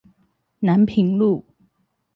南平路